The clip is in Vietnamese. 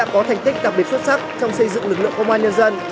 có thành tích đặc biệt xuất sắc trong xây dựng lực lượng công an nhân dân